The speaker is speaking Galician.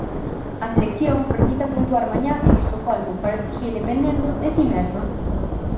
A selección precisa puntuar mañá en Estocolmo para seguir dependendo de si mesma.